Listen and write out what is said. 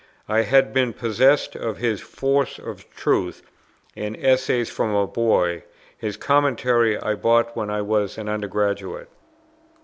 I had been possessed of his "Force of Truth" and Essays from a boy; his Commentary I bought when I was an under graduate.